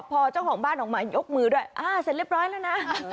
พอเจ้าของบ้านออกมายกมือด้วยอ่าเสร็จเรียบร้อยแล้วนะ